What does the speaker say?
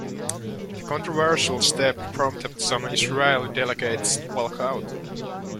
The controversial step prompted some Israeli delegates to walk out.